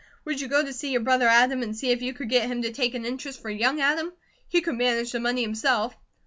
Would you go to see your brother Adam, and see if you could get him to take an interest for young Adam? He could manage the money himself."